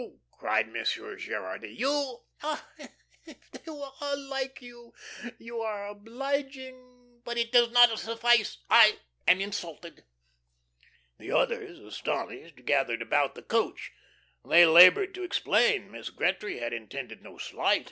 cried Monsieur Gerardy. "You ah, if they were all like you! You are obliging, but it does not suffice. I am insulted." The others, astonished, gathered about the "coach." They laboured to explain. Miss Gretry had intended no slight.